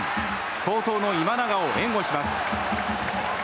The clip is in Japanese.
好投の今永を援護します。